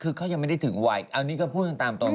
คือเขายังไม่ได้ถึงวัยอันนี้ก็พูดตามตรง